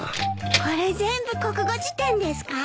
これ全部国語辞典ですか？